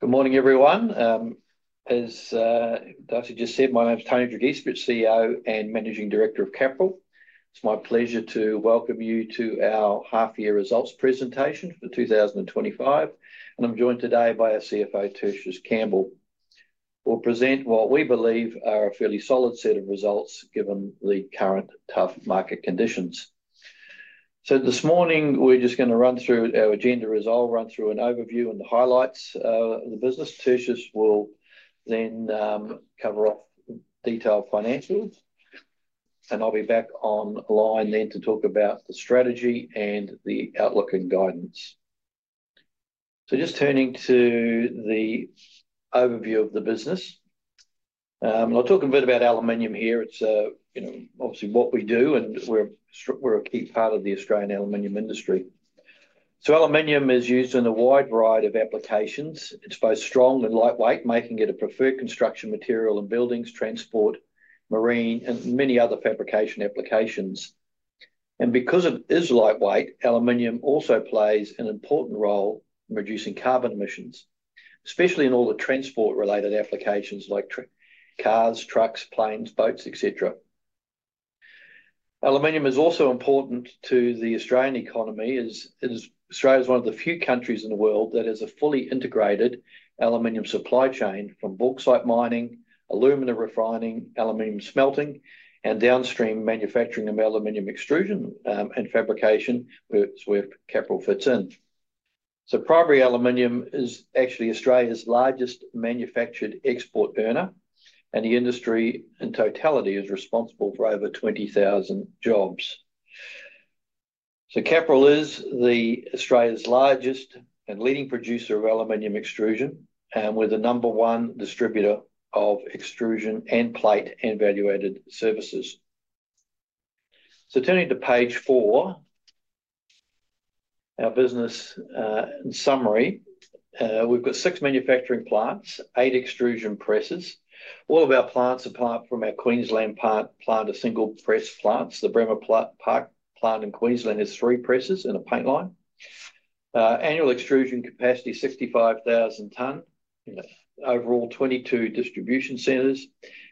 Good morning, everyone. As Darcy just said, my name is Tony Dragicevich, CEO and Managing Director of Capral. It's my pleasure to welcome you to our Half-Year Results Presentation for 2025. I'm joined today by our CFO, Tertius Campbell, who will present what we believe are a fairly solid set of results given the current tough market conditions. This morning, we're just going to run through our agenda, as I'll run through an overview and the highlights of the business. Tertius will then cover off detailed financing, and I'll be back online then to talk about the strategy and the outlook and guidance. Just turning to the overview of the business, I'll talk a bit about aluminium here. It's, you know, obviously what we do, and we're a key part of the Australian aluminium industry. Aluminium is used in a wide variety of applications. It's both strong and lightweight, making it a preferred construction material in buildings, transport, marine, and many other fabrication applications. Because it is lightweight, aluminium also plays an important role in reducing carbon emissions, especially in all the transport-related applications like cars, trucks, planes, boats, etc. Aluminium is also important to the Australian economy, as Australia is one of the few countries in the world that has a fully integrated aluminium supply chain from bauxite mining, aluminum refining, aluminium smelting, and downstream manufacturing of aluminium extrusion and fabrication with Capral fitting. Primary aluminium is actually Australia's largest manufactured export earner, and the industry in totality is responsible for over 20,000 jobs. Capral is Australia's largest and leading producer of aluminium extrusion, and we're the number one distributor of extrusion and plate and valuated services. Turning to page four, our business in summary, we've got six manufacturing plants, eight extrusion presses. All of our plants apart from our Queensland plant are single press plants. The Bremer Park plant in Queensland has three presses and a paint line. Annual extrusion capacity is 65,000 tons in overall 22 distribution centres.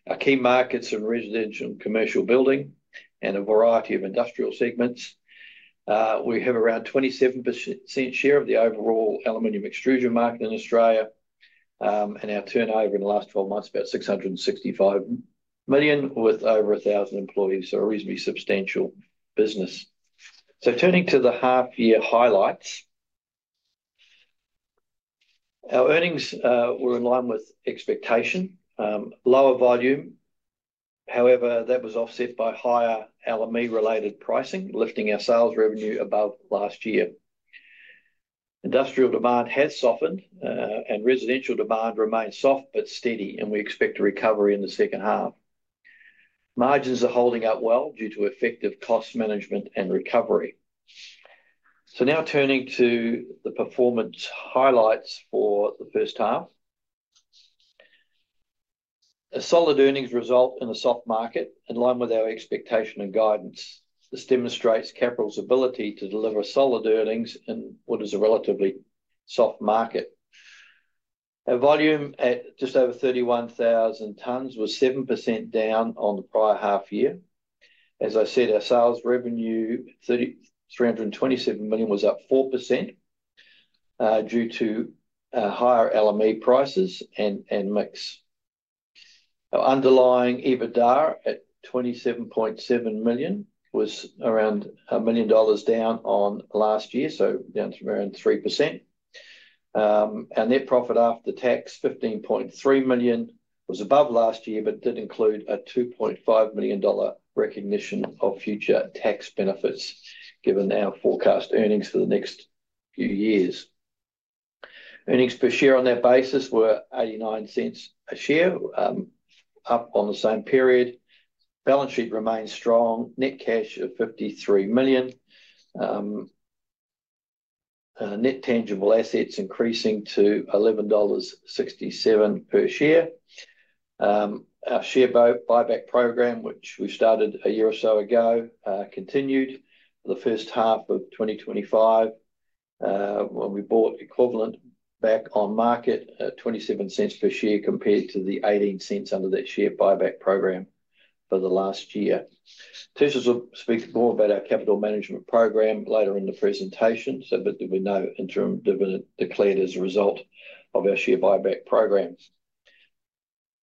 Our key markets are residential and commercial building and a variety of industrial segments. We have around a 27% share of the overall aluminium extrusion market in Australia, and our turnover in the last 12 months is about $665 million with over 1,000 employees, so a reasonably substantial business. Turning to the half-year highlights, our earnings were in line with expectation, lower volume. However, that was offset by higher aluminium-related pricing, lifting our sales revenue above last year. Industrial demand has softened, and residential demand remains soft but steady. We expect a recovery in the second half. Margins are holding up well due to effective cost management and recovery. Turning to the performance highlights for the first half, a solid earnings result in a soft market in line with our expectation and guidance. This demonstrates Capral's ability to deliver solid earnings in what is a relatively soft market. Our volume at just over 31,000 tons was 7% down on the prior half year. As I said, our sales revenue of $327 million was up 4% due to higher aluminium prices and mix. Our underlying EBITDA at $27.7 million was around $1 million down on last year, so around 3%. Our net profit after tax of $15.3 million was above last year, but did include a $2.5 million recognition of future tax benefits given our forecast earnings for the next few years. Earnings per share on that basis were $0.89 a share, up on the same period. Balance sheet remains strong. Net cash of $53 million. Net tangible assets increasing to $11.67 per share. Our share buyback program, which we started a year or so ago, continued for the first half of 2025. We bought equivalent back on market at $0.27 per share compared to the $0.18 under that share buyback program for the last year. Tertius will speak more about our capital management program later in the presentation, but there'll be no interim dividend declared as a result of our share buyback programs.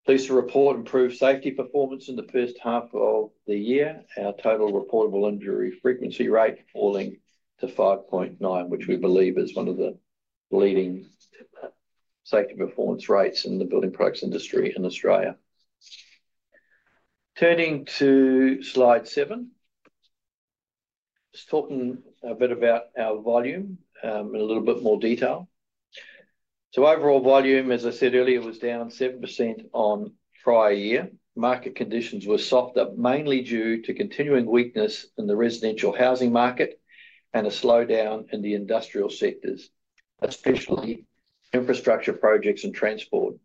Pleased to report improved safety performance in the first half of the year. Our total reportable injury frequency rate is falling to 5.9, which we believe is one of the leading safety performance rates in the building products industry in Australia. Turning to slide seven, just talking a bit about our volume in a little bit more detail. Overall volume, as I said earlier, was down 7% on prior year. Market conditions were softer, mainly due to continuing weakness in the residential housing market and a slowdown in the industrial sectors, especially infrastructure projects and transport.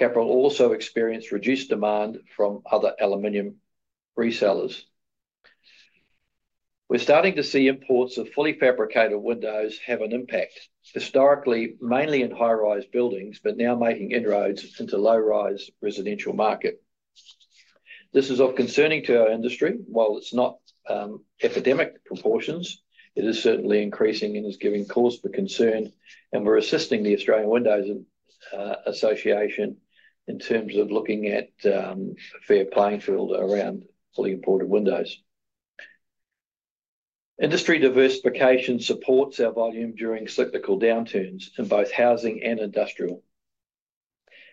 Capral also experienced reduced demand from other aluminium resellers. We're starting to see imports of fully fabricated windows have an impact, historically mainly in high-rise buildings, but now making inroads into low-rise residential markets. This is of concern to our industry. While it's not epidemic proportions, it is certainly increasing and is giving cause for concern, and we're assisting the Australian Windows Association in terms of looking at fair playing field around fully imported windows. Industry diversification supports our volume during cyclical downturns in both housing and industrial.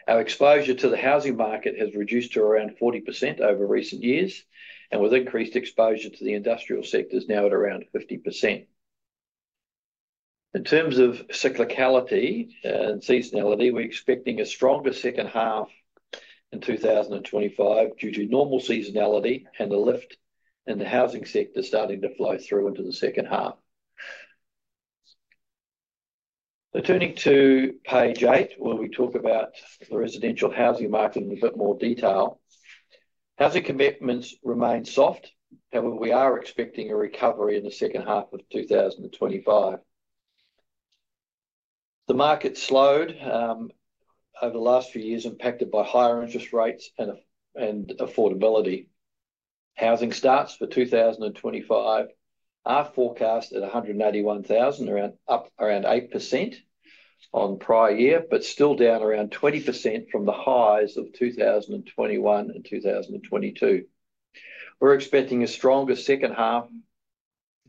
Our exposure to the housing market has reduced to around 40% over recent years, and with increased exposure to the industrial sectors, now at around 50%. In terms of cyclicality and seasonality, we're expecting a stronger second half in 2025 due to normal seasonality and the lift in the housing sector starting to flow through into the second half. Turning to page eight, when we talk about the residential housing market in a little bit more detail, housing commitments remain soft, and we are expecting a recovery in the second half of 2025. The market slowed over the last few years, impacted by higher interest rates and affordability. Housing starts for 2025 are forecast at 181,000, up around 8% on prior year, but still down around 20% from the highs of 2021 and 2022. We're expecting a stronger second half in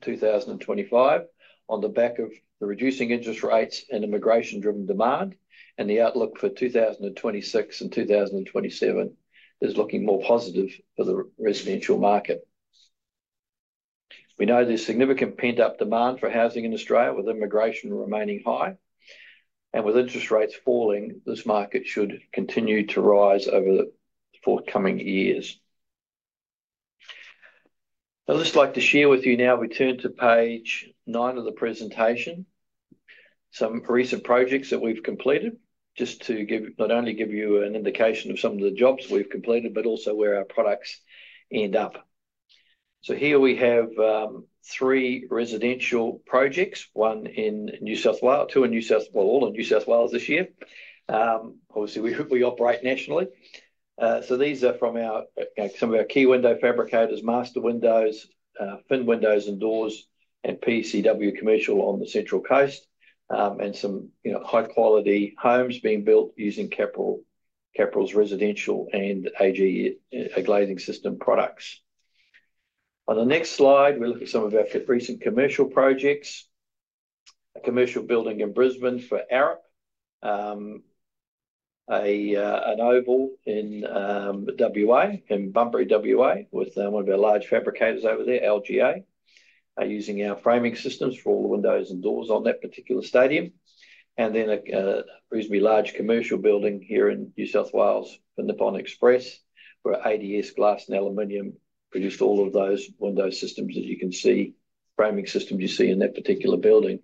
2025 on the back of the reducing interest rates and immigration-driven demand, and the outlook for 2026 and 2027 is looking more positive for the residential market. We know there's significant pent-up demand for housing in Australia, with immigration remaining high, and with interest rates falling, this market should continue to rise over the forthcoming years. I'd just like to share with you now if we turn to page nine of the presentation, some recent projects that we've completed, just to not only give you an indication of some of the jobs we've completed, but also where our products end up. Here we have three residential projects, one in New South Wales, two in New South Wales and New South Wales this year. Obviously, we operate nationally. These are from some of our key window fabricators, Master Windows, Finn Windows and Doors, and PCW Commercial on the Central Coast, and some high-quality homes being built using Capral's residential and AG glazing system products. On the next slide, we look at some of our recent commercial projects, a commercial building in Brisbane for Arup, an oval in WA, in Bunbury WA, with one of our large fabricators over there, LGA, using our framing systems for all the windows and doors on that particular stadium, and then a reasonably large commercial building here in New South Wales for Nippon Express, where ADS Glass and Aluminium produced all of those window systems that you can see, framing systems you see in that particular building.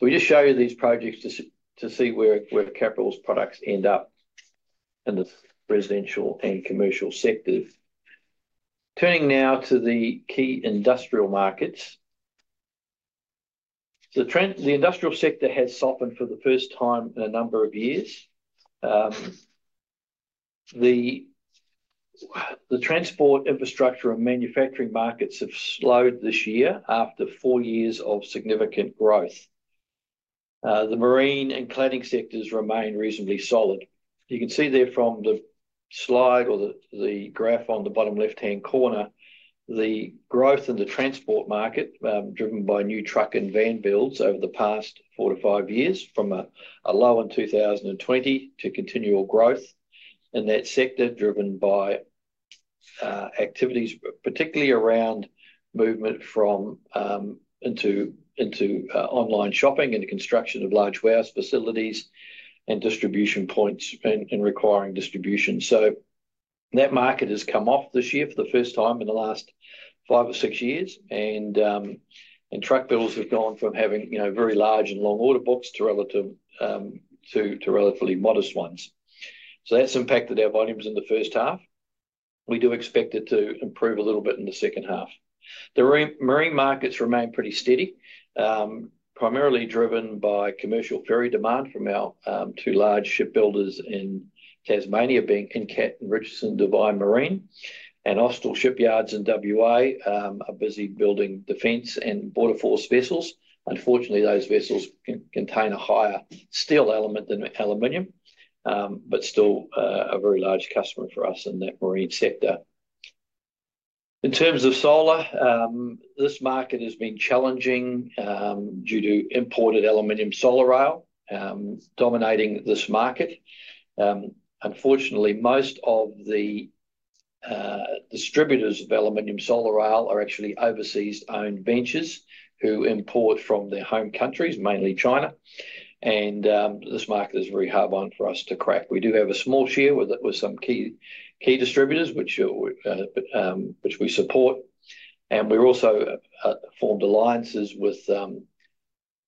We just show you these projects to see where Capral's products end up in the residential and commercial sectors. Turning now to the key industrial markets. The industrial sector has softened for the first time in a number of years. The transport, infrastructure, and manufacturing markets have slowed this year after four years of significant growth. The marine and cladding sectors remain reasonably solid. You can see there from the slide or the graph on the bottom left-hand corner, the growth in the transport market driven by new truck and van builds over the past four to five years, from a low in 2020 to continual growth in that sector driven by activities, particularly around movement from into online shopping and the construction of large warehouse facilities and distribution points and requiring distribution. That market has come off this year for the first time in the last five or six years, and truck builds have gone from having very large and long order books to relatively modest ones. That's impacted our volumes in the first half. We do expect it to improve a little bit in the second half. The marine markets remain pretty steady, primarily driven by commercial ferry demand from our two large ship builders in Tasmania, based in Hobart Richardson Devine Marine, and Austal shipyards in WA are busy building defense and border force vessels. Unfortunately, those vessels contain a higher steel element than aluminium, but still a very large customer for us in that marine sector. In terms of solar, this market has been challenging due to imported aluminium solar rail dominating this market. Most of the distributors of aluminium solar rail are actually overseas-owned ventures who import from their home countries, mainly China, and this market is very hard-won for us to crack. We do have a small share with some key distributors, which we support, and we've also formed alliances with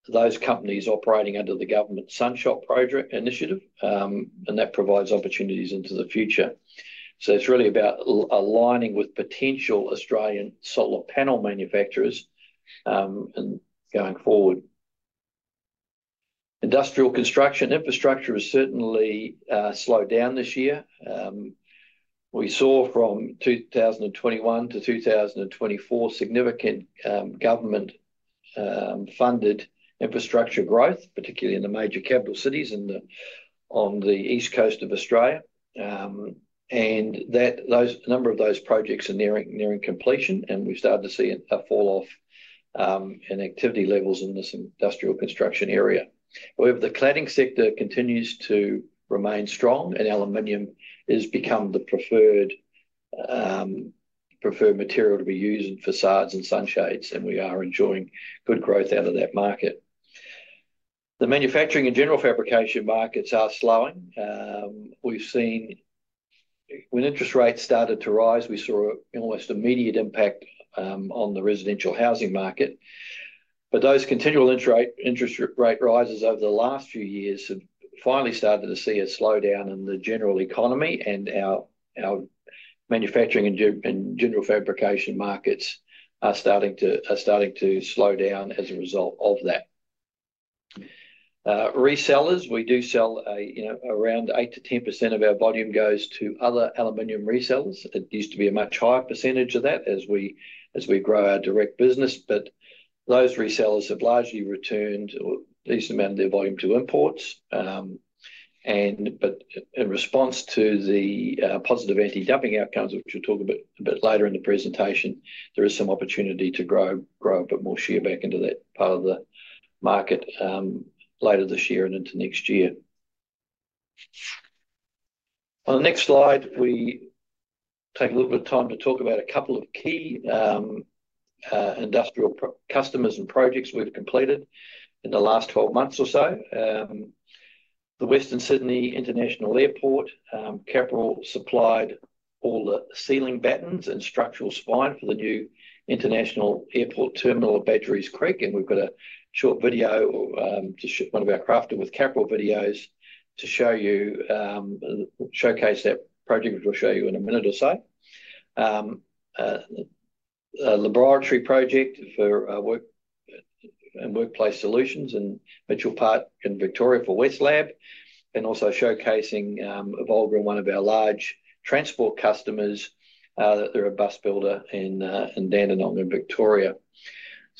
those companies operating under the government Sunshot Project initiative, and that provides opportunities into the future. It's really about aligning with potential Australian solar panel manufacturers going forward. Industrial construction infrastructure has certainly slowed down this year. We saw from 2021 to 2024 significant government-funded infrastructure growth, particularly in the major capital cities on the east coast of Australia, and a number of those projects are nearing completion. We've started to see a falloff in activity levels in this industrial construction area. However, the cladding sector continues to remain strong, and aluminium has become the preferred material to be used in facades and sunshades, and we are enjoying good growth out of that market. The manufacturing and general fabrication markets are slowing. When interest rates started to rise, we saw an almost immediate impact on the residential housing market. Those continual interest rate rises over the last few years have finally started to see a slowdown in the general economy, and our manufacturing and general fabrication markets are starting to slow down as a result of that. Resellers, we do sell around 8%-10% of our volume goes to other aluminium resellers. It used to be a much higher percentage of that as we grow our direct business, but those resellers have largely returned a decent amount of their volume to imports. In response to the positive anti-dumping outcomes, which we'll talk about a bit later in the presentation, there is some opportunity to grow a bit more share back into that part of the market later this year and into next year. On the next slide, we take a little bit of time to talk about a couple of key industrial customers and projects we've completed in the last 12 months or so. The Western Sydney International Airport, Capral supplied all the ceiling battens and structural spine for the new international airport terminal at Badgerys Creek, and we've got a short video to ship one of our crafted with Capral videos to show you and showcase that project, which we'll show you in a minute or so. A laboratory project for Workplace Solutions and Mitchell Park in Victoria for West Lab, and also showcasing Volgren, one of our large transport customers. They're a bus builder in Dandenong in Victoria.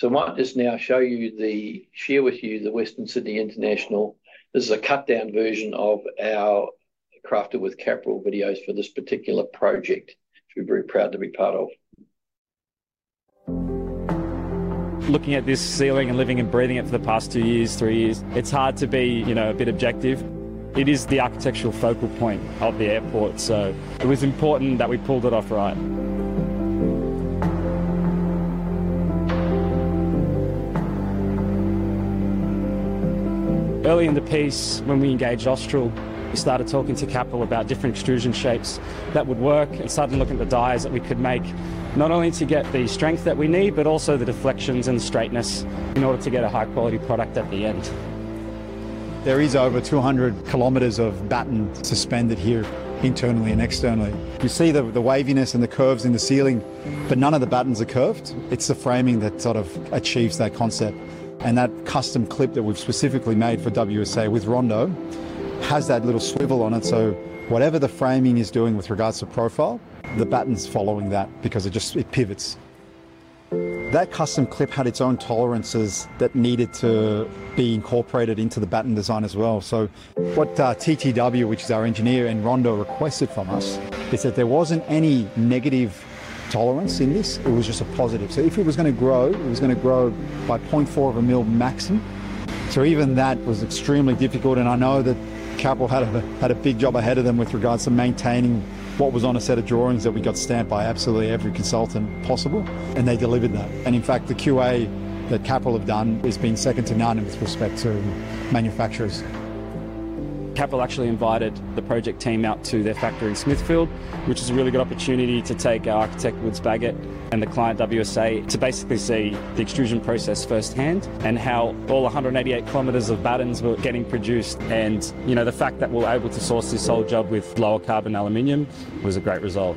I might just now share with you the Western Sydney International. This is a cut-down version of our crafter with Capral videos for this particular project we're very proud to be part of. Looking at this ceiling and living and breathing it for the past two years, three years, it's hard to be a bit objective. It is the architectural focal point of the airport, so it was important that we pulled it off right. Early in the piece, when we engaged Austral, we started talking to Capral about different extrusion shapes that would work and started looking at the dies that we could make not only to get the strength that we need, but also the deflections and straightness in order to get a high-quality product at the end. There are over 200 Km of batten suspended here internally and externally. You see the waviness and the curves in the ceiling, but none of the battens are curved. It's the framing that sort of achieves that concept. That custom clip that we've specifically made for WSA with Rondo has that little swivel on it. Whatever the framing is doing with regards to profile, the batten's following that because it just pivots. That custom clip had its own tolerances that needed to be incorporated into the batten design as well. What TTW, which is our engineer, and Rondo requested from us is that there wasn't any negative tolerance in this. It was just a positive. If it was going to grow, it was going to grow by 0.4 of a mm maximum. Even that was extremely difficult. I know that Capral had a big job ahead of them with regards to maintaining what was on a set of drawings that we got stamped by absolutely every consultant possible, and they delivered that. In fact, the QA that Capral has done has been second to none in this respect to manufacturers. Capral actually invited the project team out to their factory in Smithfield, which is a really good opportunity to take our architect, Woods Bagot, and the client, WSA, to basically see the extrusion process firsthand and how all 188 Km of battens were getting produced. The fact that we were able to source this whole job with lower-carbon aluminium was a great result.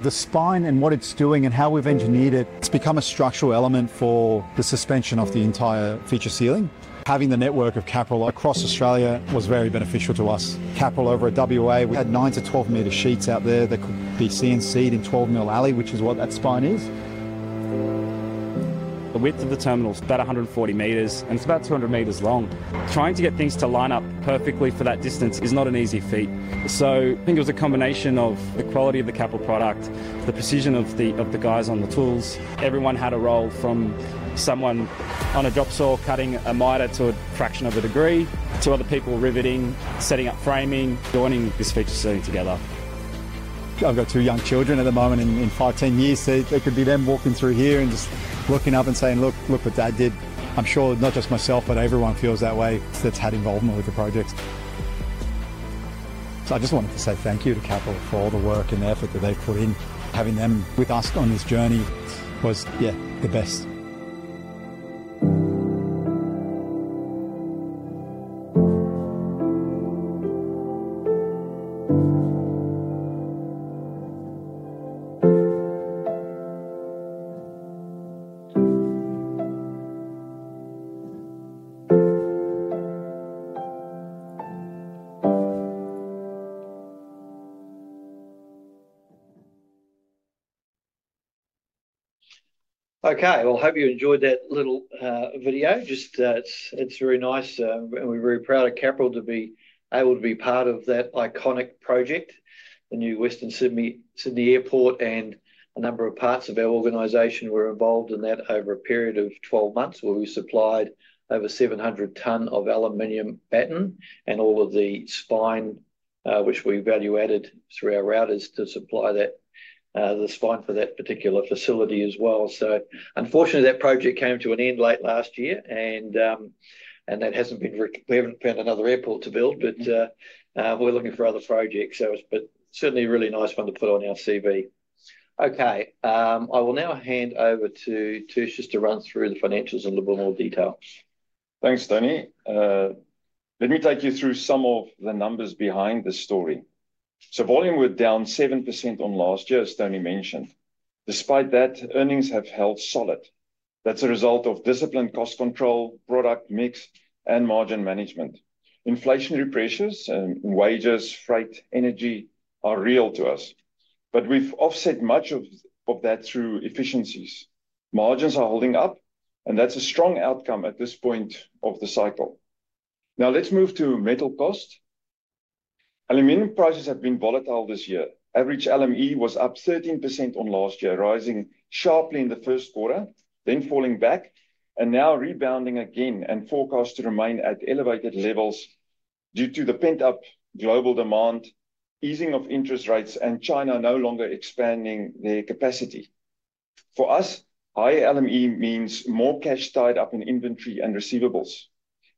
The spine and what it's doing and how we've engineered it, it's become a structural element for the suspension of the entire feature ceiling. Having the network of Capral across Australia was very beneficial to us. Capral over at WA, we had 9-12 m sheets out there that could be CNC'd in 12 mm alloy, which is what that spine is. The width of the terminal is about 140 m and it's about 200 m long. Trying to get things to line up perfectly for that distance is not an easy feat. I think it was a combination of the quality of the Capral product and the precision of the guys on the tools. Everyone had a role, from someone on a job saw cutting a miter to a fraction of a degree, to the two other people riveting, setting up framing, joining this feature ceiling together. I've got two young children at the moment, in five, ten years, it could be them walking through here and just looking up and saying, "Look what Dad did." I'm sure not just myself, but everyone feels that way that's had involvement with the projects. I just wanted to say thank you to Capral for all the work and the effort that they put in. Having them with us on this journey was, yeah, the best. Okay, I hope you enjoyed that little video. It's very nice, and we're very proud of Capral to be able to be part of that iconic project. The new Western Sydney Airport and a number of parts of our organization were involved in that over a period of 12 months where we supplied over 700 tonnes of aluminium batten and all of the spine, which we evaluated through our routers to supply that, the spine for that particular facility as well. Unfortunately, that project came to an end late last year, and we haven't found another airport to build, but we're looking for other projects. It's certainly a really nice one to put on our CV. I will now hand over to Tertius to run through the financials in a little bit more detail. Thanks, Tony. Let me take you through some of the numbers behind the story. Volume was down 7% on last year, as Tony mentioned. Despite that, earnings have held solid. That's a result of disciplined cost control, product mix, and margin management. Inflationary pressures, wages, freight, energy are real to us, but we've offset much of that through efficiencies. Margins are holding up, and that's a strong outcome at this point of the cycle. Now let's move to metal costs. Aluminium prices have been volatile this year. Average LME was up 13% on last year, rising sharply in the first quarter, then falling back, and now rebounding again and forecast to remain at elevated levels due to the pent-up global demand, easing of interest rates, and China no longer expanding their capacity. For us, higher LME means more cash tied up in inventory and receivables.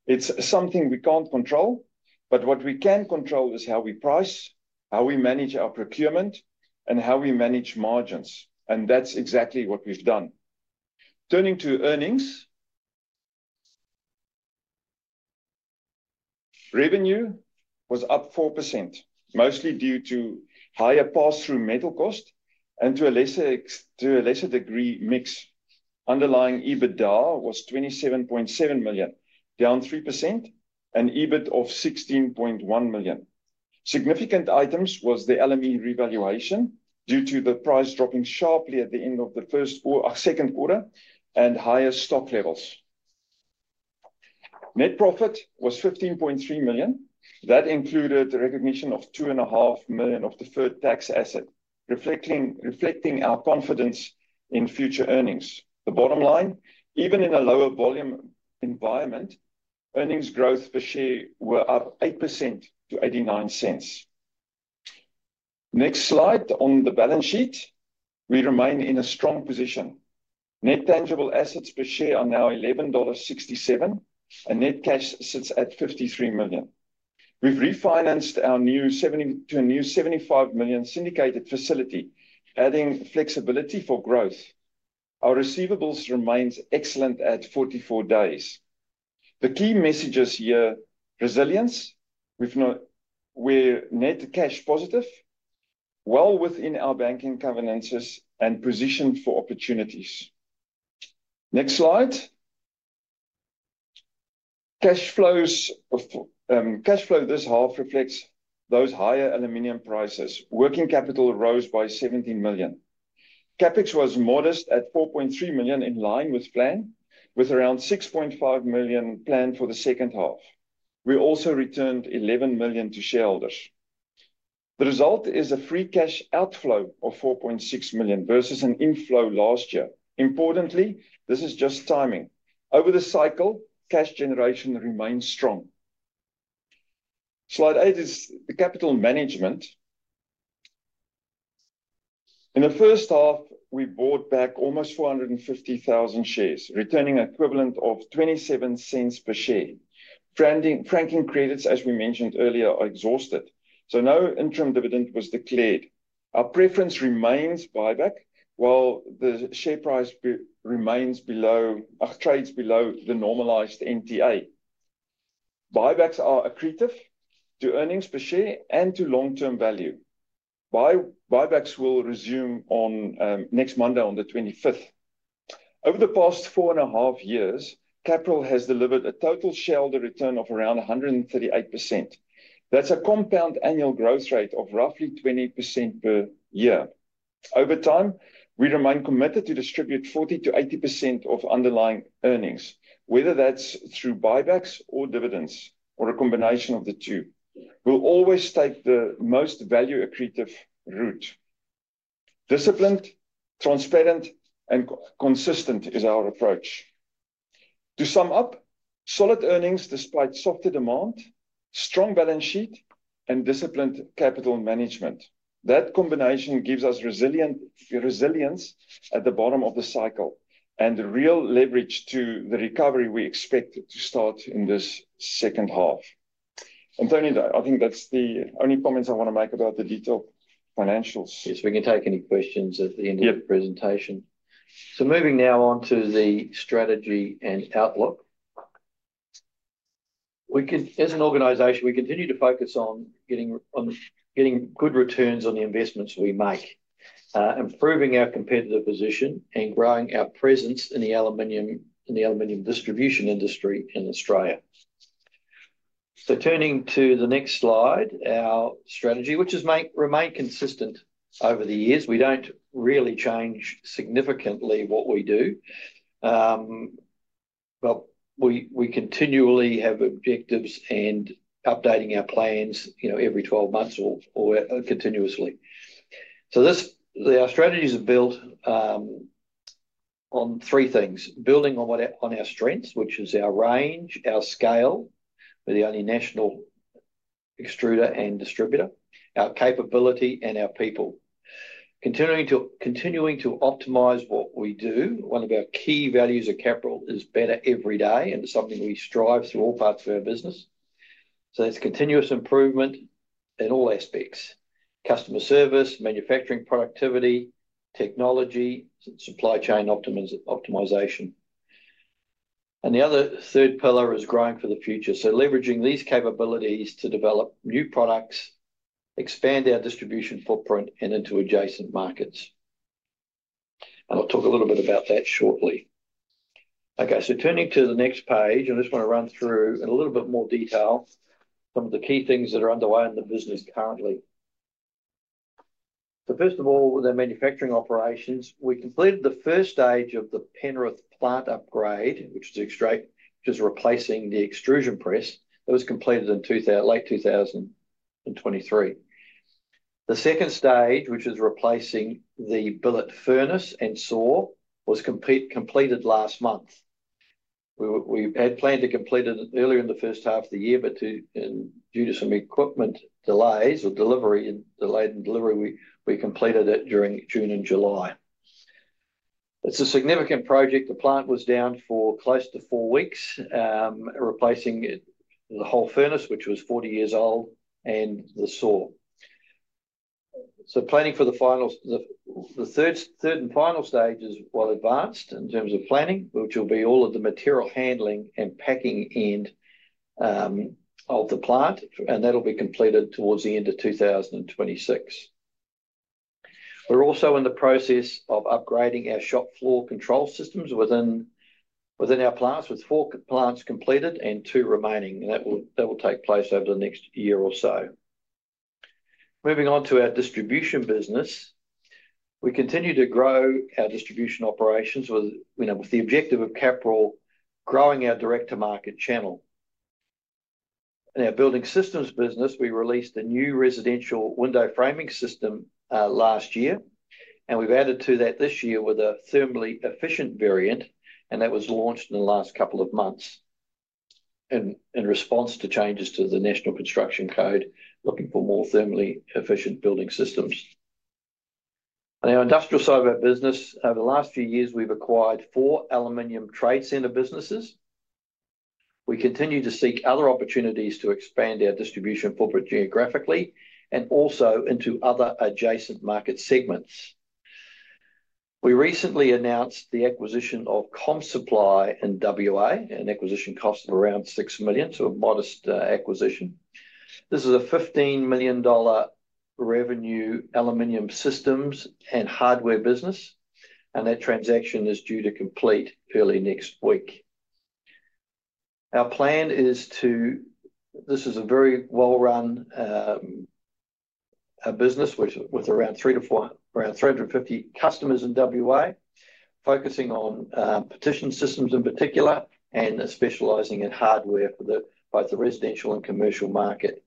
It's something we can't control, but what we can control is how we price, how we manage our procurement, and how we manage margins. That's exactly what we've done. Turning to earnings, revenue was up 4%, mostly due to higher pass-through metal cost and to a lesser degree mix. Underlying EBITDA was $27.7 million, down 3%, and EBIT of $16.1 million. Significant items were the LME revaluation due to the price dropping sharply at the end of the first or second quarter and higher stock levels. Net profit was $15.3 million. That included a recognition of $2.5 million of the third tax asset, reflecting our confidence in future earnings. The bottom line, even in a lower volume environment, earnings growth per share was up 8% to $0.89. Next slide on the balance sheet, we remain in a strong position. Net tangible assets per share are now $11.67, and net cash sits at $53 million. We've refinanced our new $75 million syndicated facility, adding flexibility for growth. Our receivables remain excellent at 44 days. The key messages here are resilience. We're net cash positive, well within our banking covenants, and positioned for opportunities. Next slide. Cash flow this half reflects those higher aluminium prices. Working capital rose by $17 million. CapEx was modest at $4.3 million in line with plan, with around $6.5 million planned for the second half. We also returned $11 million to shareholders. The result is a free cash outflow of $4.6 million versus an inflow last year. Importantly, this is just timing. Over the cycle, cash generation remains strong. Slide eight is the capital management. In the first half, we bought back almost 450,000 shares, returning an equivalent of $0.27 per share. Franking credits, as we mentioned earlier, are exhausted. No interim dividend was declared. Our preference remains buyback while the share price remains below or trades below the normalized NTA. Buybacks are accretive to earnings per share and to long-term value. Buybacks will resume next Monday on the 25th. Over the past four and a half years, Capral has delivered a total shareholder return of around 138%. That's a compound annual growth rate of roughly 20% per year. Over time, we remain committed to distribute 40%-80% of underlying earnings, whether that's through buybacks or dividends or a combination of the two. We'll always take the most value accretive route. Disciplined, transparent, and consistent is our approach. To sum up, solid earnings despite softer demand, strong balance sheet, and disciplined capital management. That combination gives us resilience at the bottom of the cycle and the real leverage to the recovery we expect to start in this second half. Tony, I think that's the only comments I want to make about the detailed financials. We can take any questions at the end of the presentation. Moving now on to the strategy and outlook. As an organization, we continue to focus on getting good returns on the investments we make, improving our competitive position, and growing our presence in the aluminium distribution industry in Australia. Turning to the next slide, our strategy, which has remained consistent over the years, we don't really change significantly what we do. We continually have objectives and update our plans every 12 months or continuously. Our strategies are built on three things: building on our strengths, which is our range, our scale—we're the only national extruder and distributor—our capability, and our people. Continuing to optimize what we do, one of our key values at Capral is better every day, and it's something we strive for through all parts of our business. There's continuous improvement in all aspects: customer service, manufacturing productivity, technology, and supply chain optimization. The other third pillar is growing for the future, leveraging these capabilities to develop new products, expand our distribution footprint, and move into adjacent markets. I'll talk a little bit about that shortly. Turning to the next page, I want to run through in a little more detail some of the key things that are underway in the business currently. First of all, the manufacturing operations: we completed the first stage of the Penrith plant upgrade, which is replacing the extrusion press. That was completed in late 2023. The second stage, which is replacing the billet furnace and saw, was completed last month. We had planned to complete it earlier in the first half of the year, but due to some equipment delays and delivery, we completed it during June and July. It's a significant project. The plant was down for close to four weeks, replacing the whole furnace, which was 40 years old, and the saw. Planning for the third and final stage is well advanced in terms of planning, which will be all of the material handling and packing into the plant, and that'll be completed towards the end of 2026. We're also in the process of upgrading our shop floor control systems within our plants, with four plants completed and two remaining, and that will take place over the next year or so. Moving on to our distribution business, we continue to grow our distribution operations with the objective of Capral growing our direct-to-market channel. In our building systems business, we released a new residential window framing system last year, and we've added to that this year with a thermally efficient variant, and that was launched in the last couple of months in response to changes to the National Construction Code, looking for more thermally efficient building systems. On the industrial side of our business, over the last few years, we've acquired four Aluminium Trade Centre businesses. We continue to seek other opportunities to expand our distribution footprint geographically and also into other adjacent market segments. We recently announced the acquisition of Comsupply in WA, an acquisition cost of around $6 million, so a modest acquisition. This is a $15 million revenue aluminium systems and hardware business, and that transaction is due to complete early next week. Our plan is to, this is a very well-run business with around 350 customers in WA, focusing on partition systems in particular and specializing in hardware for both the residential and commercial market.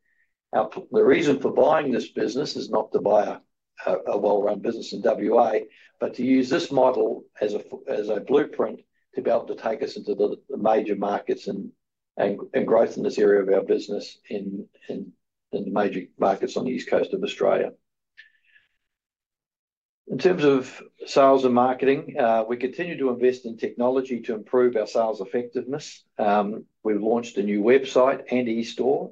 The reason for buying this business is not to buy a well-run business in WA, but to use this model as a blueprint to be able to take us into the major markets and growth in this area of our business in the major markets on the east coast of Australia. In terms of sales and marketing, we continue to invest in technology to improve our sales effectiveness. We've launched a new website and e-store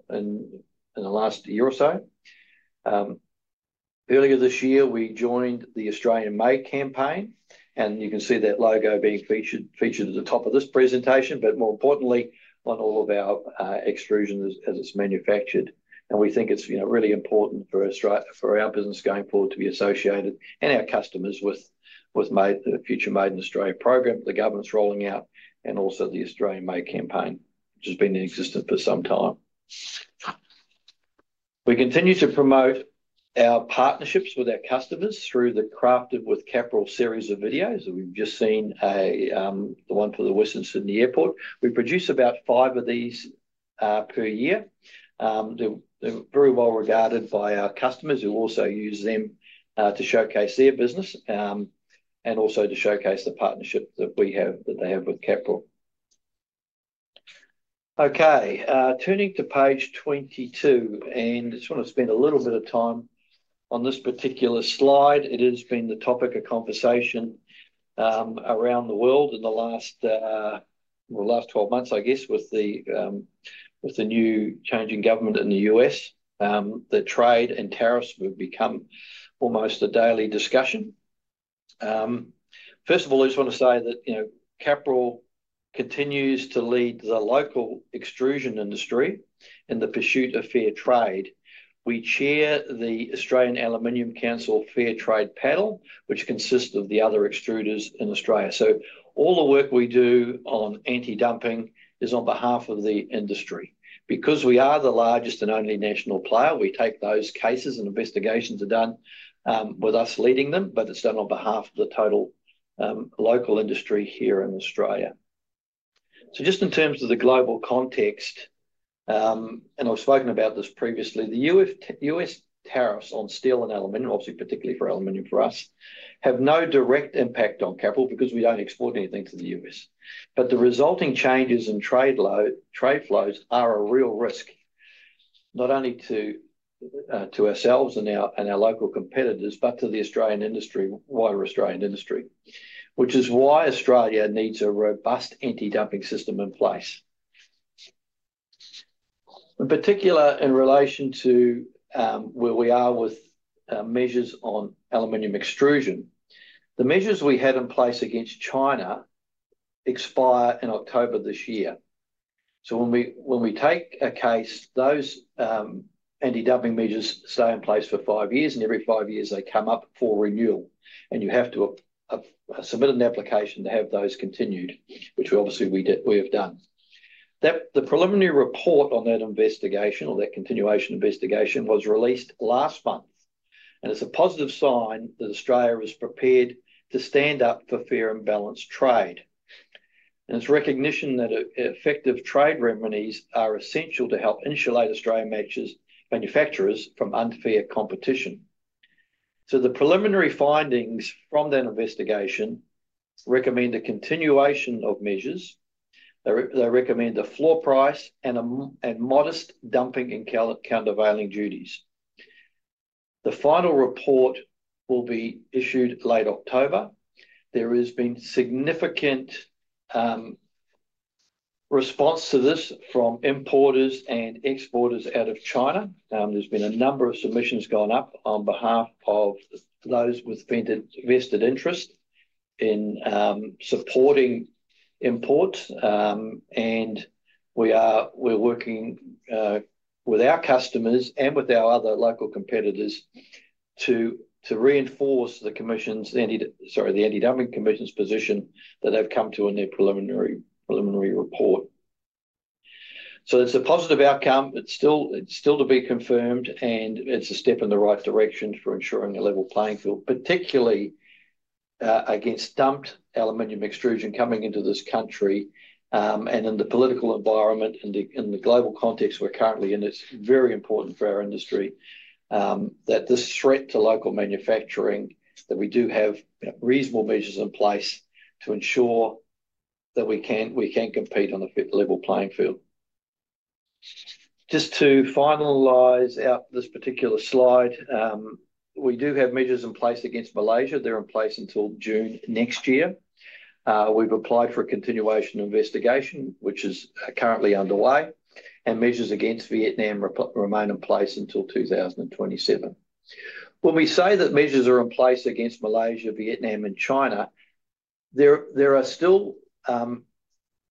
in the last year or so. Earlier this year, we joined the Australian Made campaign, and you can see that logo being featured at the top of this presentation, but more importantly, on all of our extrusions as it's manufactured. We think it's really important for our business going forward to be associated and our customers with the Future Made in Australia programme, the government's rolling out, and also the Australian Made campaign, which has been in existence for some time. We continue to promote our partnerships with our customers through the Crafted with Capral series of videos that we've just seen, the one for the Westminster New Airport. We produce about five of these per year. They're very well regarded by our customers who also use them to showcase their business and also to showcase the partnership that we have with Capral. Okay, turning to page 22, and I just want to spend a little bit of time on this particular slide. It has been the topic of conversation around the world in the last 12 months, I guess, with the new changing government in the U.S., that trade and tariffs have become almost a daily discussion. First of all, I just want to say that Capral continues to lead the local extrusion industry in the pursuit of fair trade. We chair the Australian Aluminium Council Fair Trade Panel, which consists of the other extruders in Australia. All the work we do on anti-dumping is on behalf of the industry. Because we are the largest and only national player, we take those cases and investigations are done with us leading them, but it's done on behalf of the total local industry here in Australia. Just in terms of the global context, and I've spoken about this previously, the U.S. tariffs on steel and aluminium, obviously particularly for aluminium for us, have no direct impact on Capral because we don't export anything to the U.S. The resulting changes in trade flows are a real risk, not only to ourselves and our local competitors, but to the Australian industry, wider Australian industry, which is why Australia needs a robust anti-dumping system in place. In particular, in relation to where we are with measures on aluminum extrusion, the measures we had in place against China expire in October this year. When we take a case, those anti-dumping measures stay in place for five years, and every five years they come up for renewal, and you have to submit an application to have those continued, which we obviously have done. The preliminary report on that investigation, or that continuation investigation, was released last month, and it's a positive sign that Australia is prepared to stand up for fair and balanced trade. It's a recognition that effective trade remedies are essential to help insulate Australian manufacturers from unfair competition. The preliminary findings from that investigation recommend a continuation of measures. They recommend a floor price and modest dumping and countervailing duties. The final report will be issued late October. There has been significant response to this from importers and exporters out of China. There's been a number of submissions gone up on behalf of those with vested interest in supporting imports, and we're working with our customers and with our other local competitors to reinforce the Anti-Dumping Commission's position that they've come to in their preliminary report. It's a positive outcome. It's still to be confirmed, and it's a step in the right direction for ensuring a level playing field, particularly against dumped aluminum extrusion coming into this country. In the political environment and the global context we're currently in, it's very important for our industry that this threat to local manufacturing, that we do have reasonable measures in place to ensure that we can compete on a fit level playing field. Just to finalize out this particular slide, we do have measures in place against Malaysia. They're in place until June next year. We've applied for a continuation investigation, which is currently underway, and measures against Vietnam remain in place until 2027. When we say that measures are in place against Malaysia, Vietnam, and China, there are still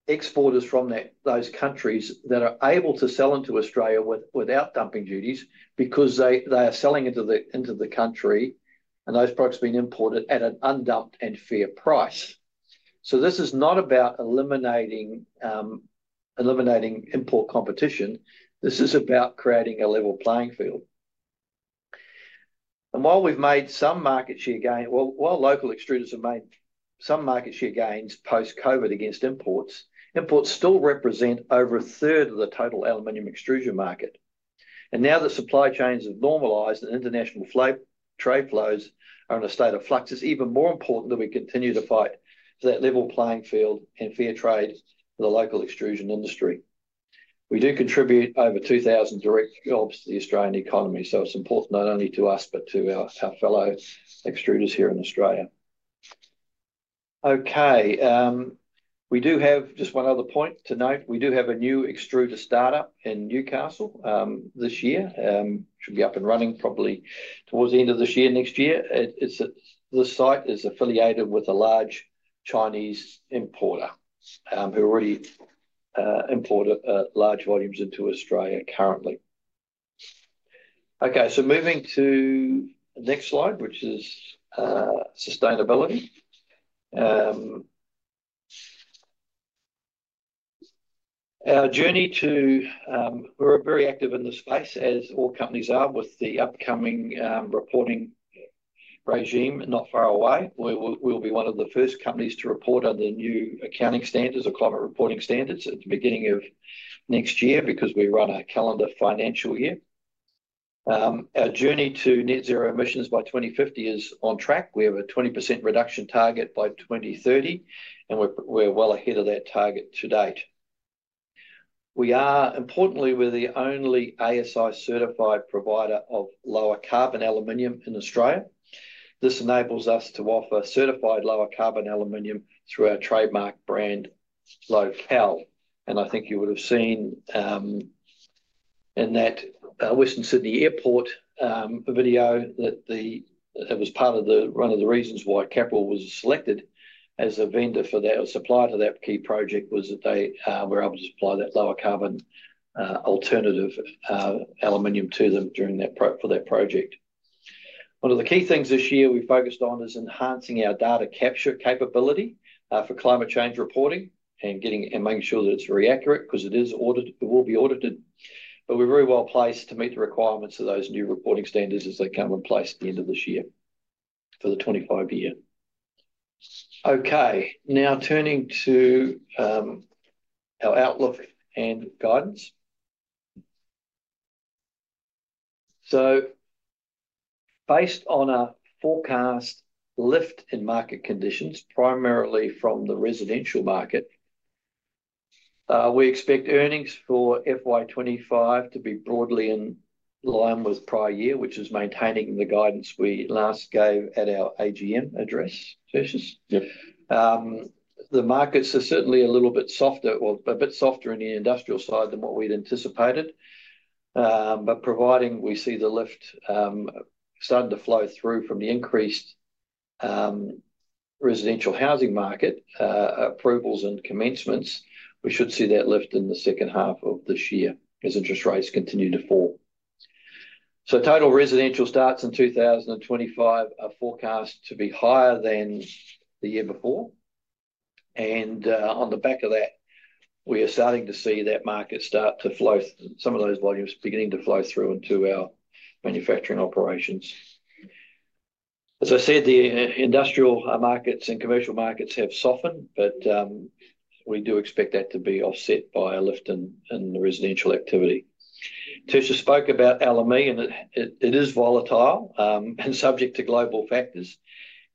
exporters from those countries that are able to sell into Australia without dumping duties because they are selling into the country, and those products are being imported at an undumped and fair price. This is not about eliminating import competition. This is about creating a level playing field. While we've made some market share gains, while local extruders have made some market share gains post-COVID against imports, imports still represent over a third of the total aluminum extrusion market. Now the supply chains have normalized and international trade flows are in a state of flux. It's even more important that we continue to fight for that level playing field and fair trade for the local extrusion industry. We do contribute over 2,000 direct jobs to the Australian economy, so it's important not only to us but to our fellow extruders here in Australia. We do have just one other point to note. We do have a new extruder startup in Newcastle this year. It should be up and running probably towards the end of this year, next year. The site is affiliated with a large Chinese importer who already imported large volumes into Australia currently. Moving to the next slide, which is sustainability. Our journey to, we're very active in this space, as all companies are, with the upcoming reporting regime not far away. We'll be one of the first companies to report on the new accounting standards or climate reporting standards at the beginning of next year because we run a calendar financial year. Our journey to net zero emissions by 2050 is on track. We have a 20% reduction target by 2030, and we're well ahead of that target to date. Importantly, we're the only ASI-certified provider of lower-carbon aluminium in Australia. This enables us to offer certified lower carbon aluminium through our trademark brand, LocAl. I think you would have seen in that Western Sydney Airport video that part of one of the reasons why Capral was selected as a vendor for that supplier to that key project was that they were able to supply that lower carbon alternative aluminium to them for that project. One of the key things this year we've focused on is enhancing our data capture capability for climate change reporting and making sure that it's very accurate because it will be audited. We're very well placed to meet the requirements of those new reporting standards as they come in place at the end of this year for the 2025 year. Now turning to our outlook and guidance. Based on our forecast lift in market conditions, primarily from the residential market, we expect earnings for FY 2025 to be broadly in line with prior year, which is maintaining the guidance we last gave at our AGM address, Tertius. The markets are certainly a little bit softer, or a bit softer in the industrial side than what we'd anticipated. Providing we see the lift starting to flow through from the increased residential housing market approvals and commencements, we should see that lift in the second half of this year as interest rates continue to fall. Total residential starts in 2025 are forecast to be higher than the year before. On the back of that, we are starting to see that market start to flow, some of those volumes beginning to flow through into our manufacturing operations. As I said, the industrial markets and commercial markets have softened, but we do expect that to be offset by a lift in the residential activity. Tertius spoke about LME, and it is volatile and subject to global factors.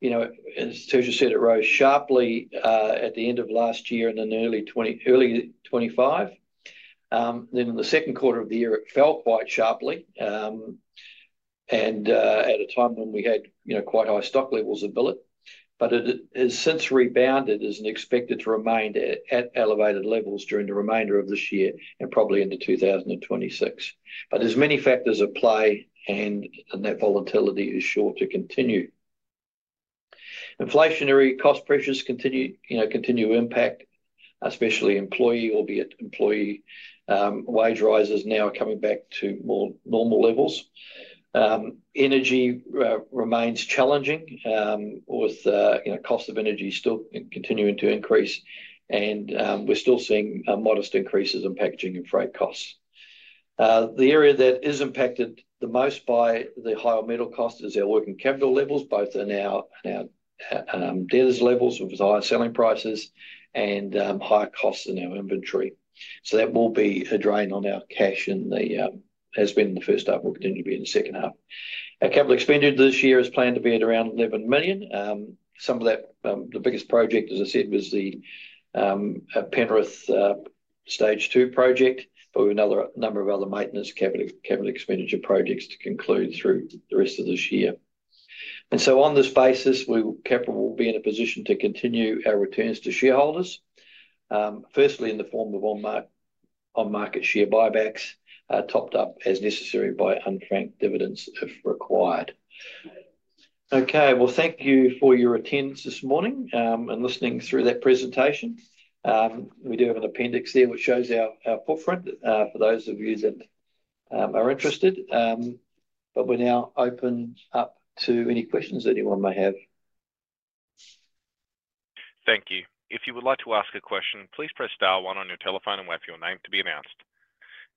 As Tertius said, it rose sharply at the end of last year and then early 2025. In the second quarter of the year, it fell quite sharply at a time when we had quite high stock levels of billet. It has since rebounded and is expected to remain at elevated levels during the remainder of this year and probably into 2026. There are many factors at play, and that volatility is sure to continue. Inflationary cost pressures continue to impact, especially employee, albeit employee wage rises now coming back to more normal levels. Energy remains challenging with cost of energy still continuing to increase, and we're still seeing modest increases in packaging and freight costs. The area that is impacted the most by the higher metal costs is our working capital levels, both on our debtors' levels with higher selling prices and higher costs in our inventory. That will be a drain on our cash, and that has been in the first half and will continue to be in the second half. Our capital expenditure this year is planned to be at around $11 million. Some of that, the biggest project, as I said, was the Penrith Stage 2 project, but we have a number of other maintenance capital expenditure projects to conclude through the rest of this year. On this basis, Capral will be in a position to continue our returns to shareholders, firstly in the form of on-market share buybacks topped up as necessary by unfranked dividends if required. Thank you for your attendance this morning and listening through that presentation. We do have an appendix there which shows our footprint for those of you that are interested. We are now open up to any questions that anyone may have. Thank you. If you would like to ask a question, please press star one on your telephone and wait for your name to be announced.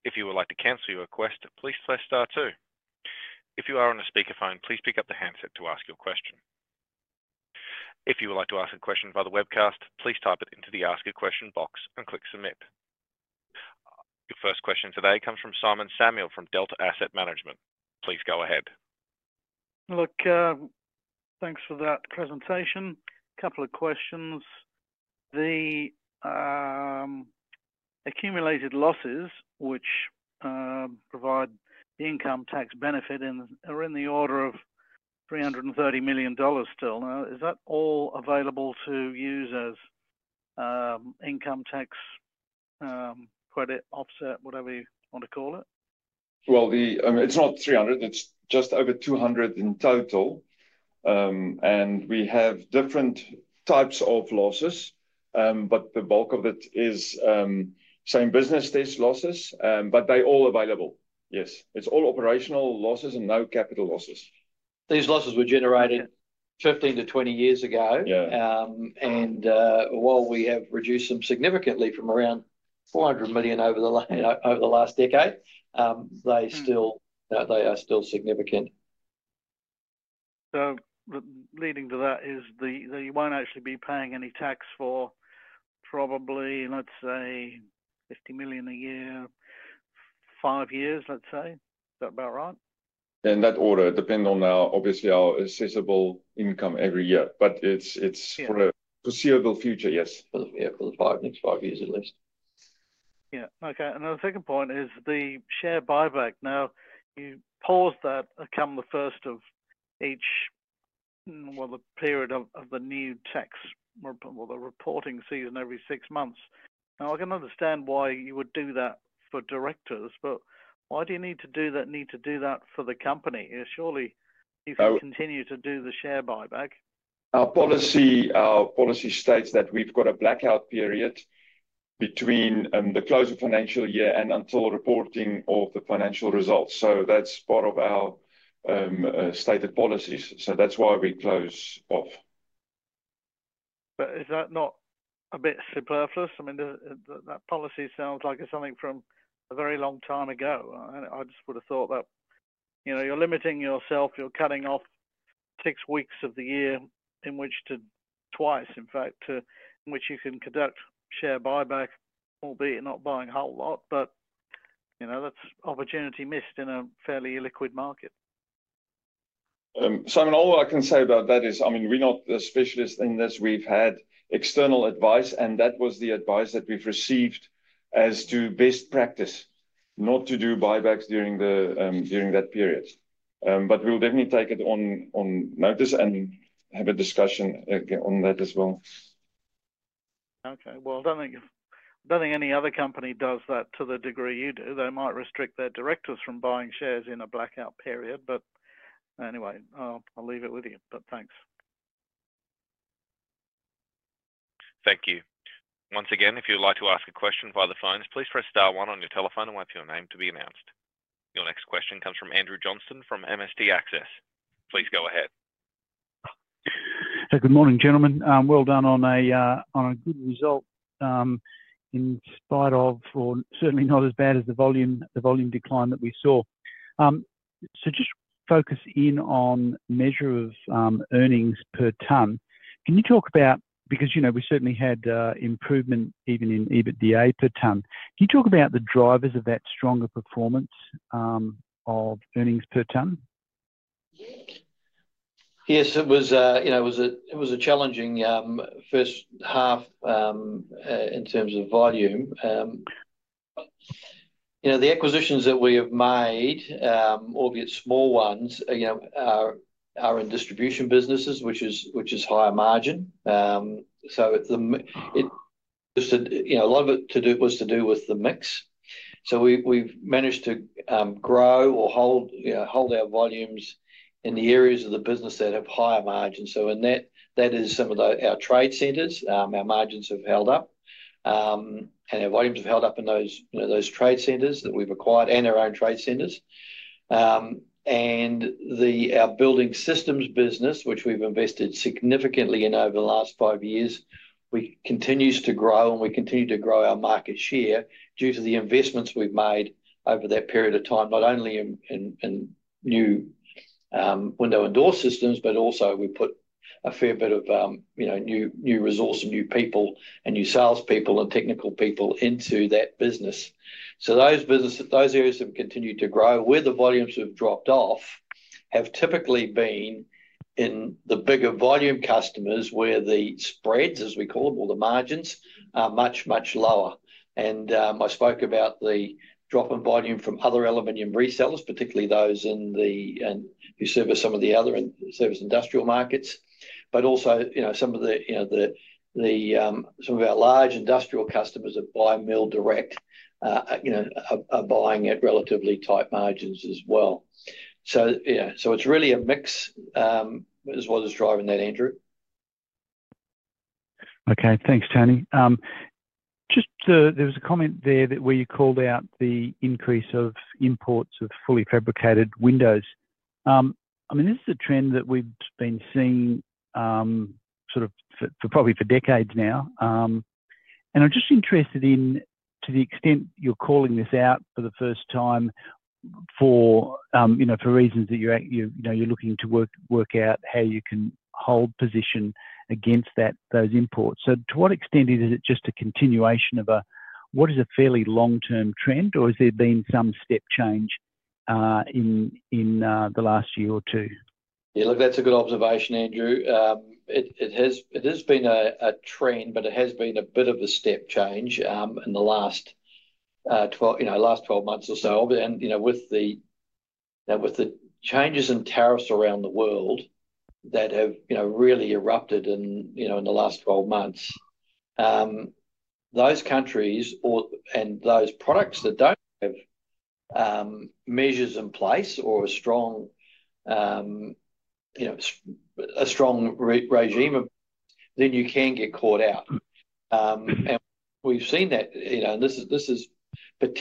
If you would like to cancel your request, please press star two. If you are on a speakerphone, please pick up the handset to ask your question. If you would like to ask a question via the webcast, please type it into the ask a question box and click submit. Your first question today comes from Simon Samuel from Delta Asset Management. Please go ahead. Thanks for that presentation. A couple of questions. The accumulated losses, which provide the income tax benefit, are in the order of $330 million still. Is that all available to use as income tax credit offset, whatever you want to call it? It's not $300 million, and it's just over $200 million in total. We have different types of losses, but the bulk of it is same business, these losses, but they're all available. Yes, it's all operational losses and no capital losses. These losses were generated 15-20 years ago. While we have reduced them significantly from around $400 million over the last decade, they are still significant. That leads to you won't actually be paying any tax for probably, let's say, $50 million a year, five years, let's say. Is that about right? In that order, it depends on obviously our assessable income every year, but it's for the foreseeable future, yes. Yeah, for the next five years at least. Okay. The second point is the share buyback. You pause that come the first of each, the period of the new tax, the reporting season every six months. I can understand why you would do that for directors, but why do you need to do that for the company? Surely, you continue to do the share buyback. Our policy states that we've got a blackout period between the close of the financial year and until reporting of the financial results. That's part of our stated policies. That's why we close off. Is that not a bit superfluous? I mean, that policy sounds like it's something from a very long time ago. I just would have thought that, you know, you're limiting yourself, you're cutting off six weeks of the year in which to, twice, in fact, in which you can conduct share buyback, albeit you're not buying a whole lot. You know, that's opportunity missed in a fairly illiquid market. Simon, all I can say about that is, I mean, we're not the specialist in this. We've had external advice, and that was the advice that we've received as to best practice, not to do buybacks during that period. We'll definitely take it on notice and have a discussion on that as well. Okay, I don't think any other company does that to the degree you do. They might restrict their directors from buying shares in a blackout period. Anyway, I'll leave it with you. Thanks. Thank you. Once again, if you would like to ask a question via the phones, please press star one on your telephone and wait for your name to be announced. Your next question comes from Andrew Johnston from MST Access. Please go ahead. Good morning, gentlemen. Well done on a good result in spite of, or certainly not as bad as, the volume decline that we saw. Just focusing on the measure of earnings per ton, can you talk about, because you know we certainly had improvement even in EBITDA per ton, can you talk about the drivers of that stronger performance of earnings per ton? Yes, it was a challenging first half in terms of volume. The acquisitions that we have made, albeit small ones, are in distribution businesses, which is higher margin. A lot of it was to do with the mix. We've managed to grow or hold our volumes in the areas of the business that have higher margins. In that, that is some of our trade centres. Our margins have held up and our volumes have held up in those trade centres that we've acquired and our own trade centres. Our building systems business, which we've invested significantly in over the last five years, continues to grow and we continue to grow our market share due to the investments we've made over that period of time, not only in new window and door systems, but also we put a fair bit of new resource and new people and new salespeople and technical people into that business. Those areas have continued to grow. Where the volumes have dropped off have typically been in the bigger volume customers where the spreads, as we call them, or the margins are much, much lower. I spoke about the drop in volume from other aluminium resellers, particularly those who service some of the other and service industrial markets, but also some of our large industrial customers that buy mill direct are buying at relatively tight margins as well. It's really a mix is what is driving that, Andrew. Okay, thanks, Tony. There was a comment there where you called out the increase of imports of fully fabricated windows. This is a trend that we've been seeing probably for decades now. I'm just interested in the extent you're calling this out for the first time for reasons that you're looking to work out how you can hold position against those imports. To what extent is it just a continuation of what is a fairly long-term trend, or has there been some step change in the last year or two? Yeah, look, that's a good observation, Andrew. It has been a trend, but it has been a bit of a step change in the last 12 months or so. With the changes in tariffs around the world that have really erupted in the last 12 months, those countries and those products that don't have measures in place or a strong regime, you can get caught out. We've seen that, and this is in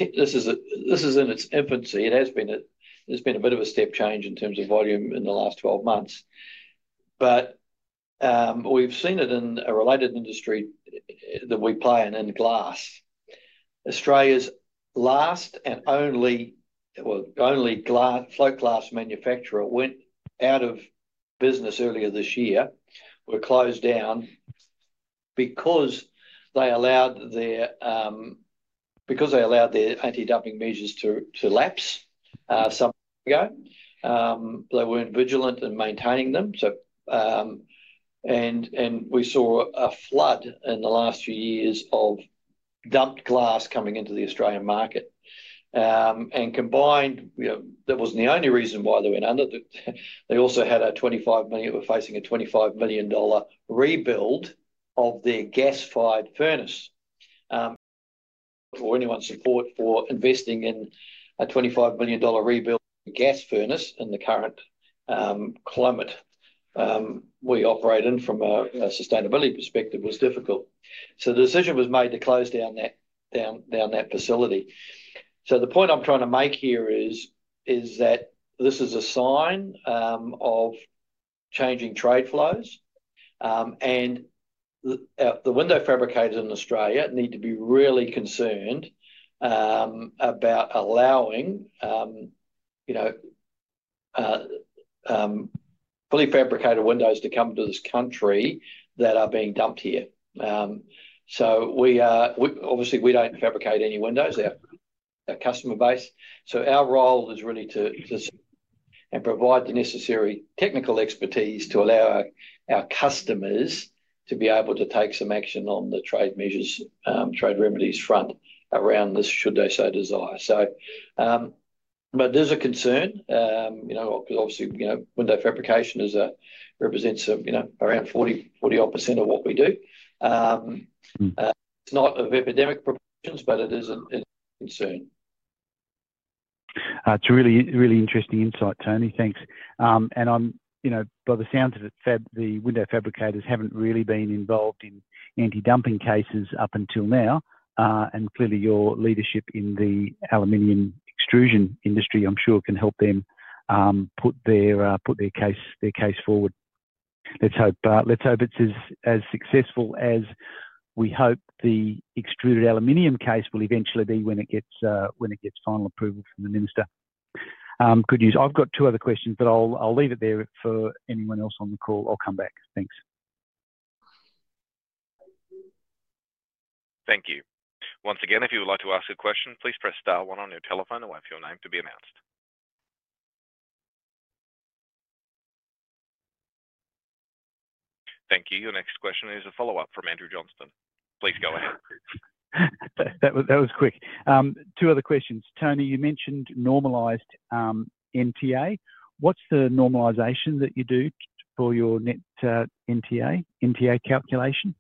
its infancy. It has been a bit of a step change in terms of volume in the last 12 months. We've seen it in a related industry that we play in, in glass. Australia's last and only float glass manufacturer went out of business earlier this year. They were closed down because they allowed their anti-dumping measures to lapse some time ago. They weren't vigilant in maintaining them. We saw a flood in the last few years of dumped glass coming into the Australian market. Combined, that wasn't the only reason why they went under. They also had a $25 million, were facing a $25 million rebuild of their gas-fired furnace. For anyone's support for investing in a $25 million rebuild gas furnace in the current climate we operate in from a sustainability perspective was difficult. The decision was made to close down that facility. The point I'm trying to make here is that this is a sign of changing trade flows. The window fabricators in Australia need to be really concerned about allowing fully fabricated windows to come to this country that are being dumped here. Obviously, we don't fabricate any windows; they're a customer base. Our role is really to provide the necessary technical expertise to allow our customers to be able to take some action on the trade measures, trade remedies front around this, should they so desire. There's a concern. Obviously, window fabrication represents around 40% of what we do. Not of epidemic proportions, but it is a concern. It's a really, really interesting insight, Tony. Thanks. By the sounds of it, the window fabricators haven't really been involved in anti-dumping cases up until now. Clearly, your leadership in the aluminium extrusion industry, I'm sure, can help them put their case forward. Let's hope it's as successful as we hope the extruded aluminium case will eventually be when it gets final approval from the Minister. Good news. I've got two other questions, but I'll leave it there for anyone else on the call or come back. Thanks. Thank you. Once again, if you would like to ask a question, please press star one on your telephone and wait for your name to be announced. Thank you. Your next question is a follow-up from Andrew Johnston. Please go ahead. That was quick. Two other questions. Tony, you mentioned normalised NTA. What's the normalisation that you do for your net NTA calculation?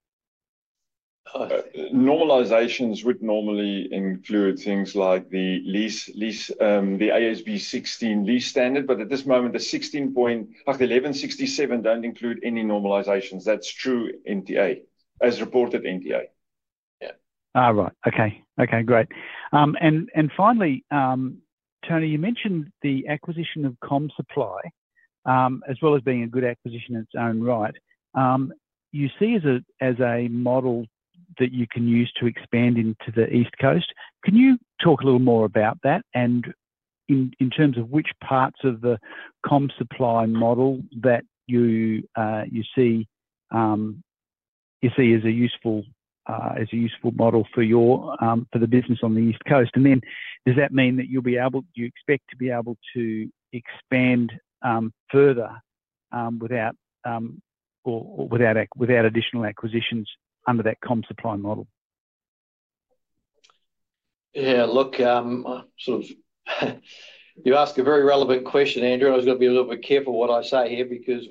Normalisations would normally include things like the AASB 16 Lease Standard, but at this moment, the 16.1167 don't include any normalisations. That's true NTA, as reported NTA. All right. Okay, great. Finally, Tony, you mentioned the acquisition of Comsupply, as well as being a good acquisition in its own right. You see it as a model that you can use to expand into the east coast. Can you talk a little more about that in terms of which parts of the Comsupply model that you see as a useful model for the business on the east coast? Does that mean that you'll be able, do you expect to be able to expand further without additional acquisitions under that Comsupply model? Yeah, look, you ask a very relevant question, Andrew. I was going to be a little bit careful what I say here because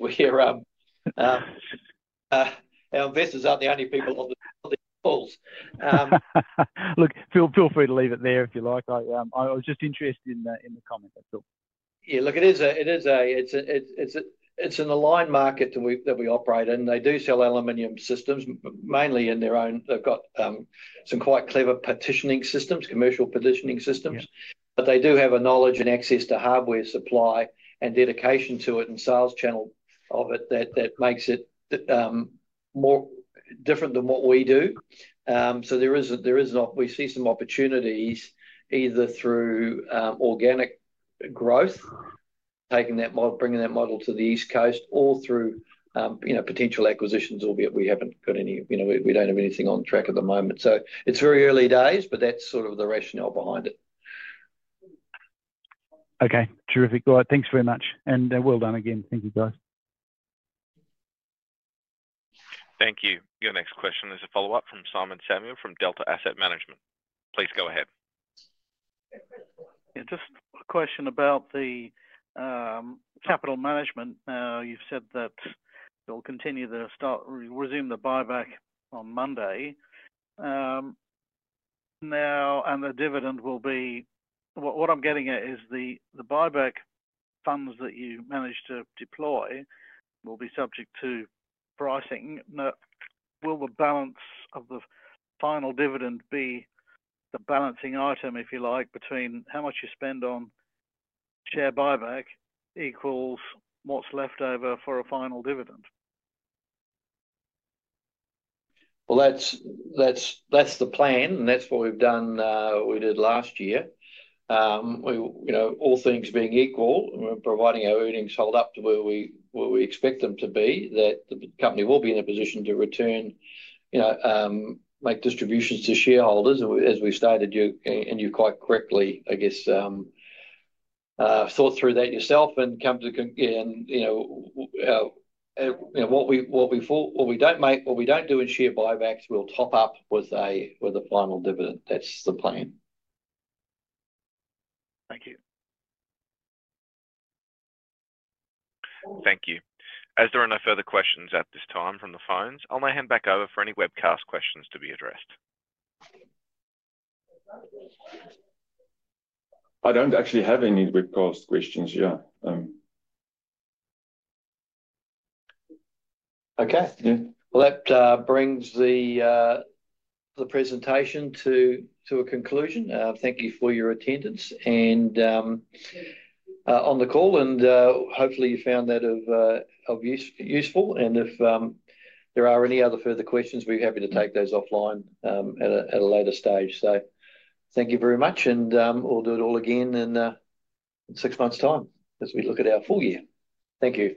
our investors aren't the only people on the calls. Look, feel free to leave it there if you like. I was just interested in the comment. Yeah, look, it is an aligned market that we operate in. They do sell aluminium systems, mainly in their own. They've got some quite clever partitioning systems, commercial partitioning systems, but they do have a knowledge and access to hardware supply and dedication to it and sales channel of it that makes it more different than what we do. We see some opportunities either through organic growth, taking that model, bringing that model to the east coast, or through potential acquisitions, albeit we haven't got any, you know, we don't have anything on track at the moment. It's very early days, but that's sort of the rationale behind it. Okay, terrific. All right, thanks very much. Well done again. Thank you, guys. Thank you. Your next question is a follow-up from Simon Samuel from Delta Asset Management. Please go ahead. Yeah, just a question about the capital management. Now, you've said that you'll continue to resume the buyback on Monday. Now, and the dividend will be, what I'm getting at is the buyback funds that you manage to deploy will be subject to pricing. Now, will the balance of the final dividend be the balancing item, if you like, between how much you spend on share buyback equals what's left over for a final dividend? That's the plan, and that's what we've done, what we did last year. You know, all things being equal, we're providing our earnings hold up to where we expect them to be, that the company will be in a position to return, you know, make distributions to shareholders. As we stated, and you quite correctly, I guess, thought through that yourself and come to what we thought, what we don't make, what we don't do in share buybacks will top up with a final dividend. That's the plan. Thank you. Thank you. If there are no further questions at this time from the phones, I'll now hand back over for any webcast questions to be addressed. I don't actually have any webcast questions here. Okay. That brings the presentation to a conclusion. Thank you for your attendance and on the call, and hopefully you found that of useful. If there are any other further questions, we're happy to take those offline at a later stage. Thank you very much, and we'll do it all again in six months' time as we look at our full year. Thank you.